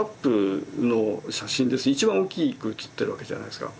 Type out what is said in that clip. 一番大きく写ってるわけじゃないですか。